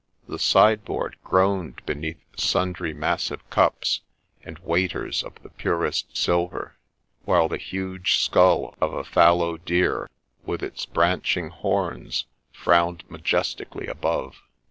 The sideboard groaned beneath sundry massive cups and waiters of the purest silver ; while the hiige skull of a fallow deer, with its branching horns, frowned majesti cally above.